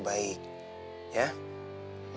tapi dia juga pengen terbaik